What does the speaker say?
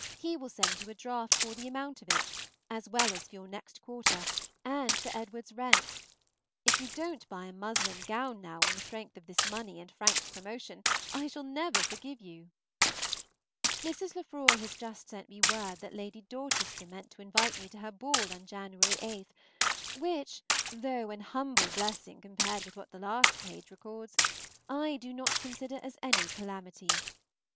he will send you a draft for the amount of it, as well as for your next quarter, and for Edward's rent. If you don't buy a muslin gown now on the strength of this money and Frank's promotion, I shall never forgive you. Mrs. Lefroy has just sent me word that Lady Dorchester meant to invite me to her ball on January 8, which, though an humble blessing compared with what the last page records, I do not consider as any calamity.